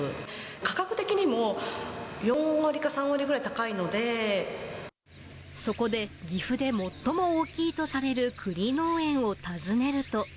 価格的にも４割か３割ぐらい高いそこで、岐阜で最も大きいとされる栗農園を訪ねると。